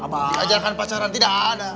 di ajarkan pacaran tidak ada